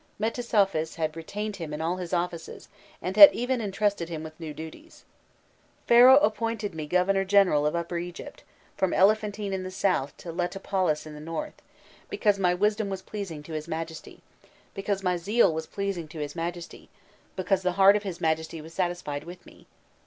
Metesouphis had retained him in all his offices, and had even entrusted him with new duties. "Pharaoh appointed me governor general of Upper Egypt, from Elephantine in the south to Letopolis in the north, because my wisdom was pleasing to his Majesty, because my zeal was pleasing to his Majesty, because the heart of his Majesty was satisfied with me....